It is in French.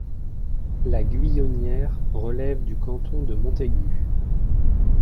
La Guyonnière relève du canton de Montaigu.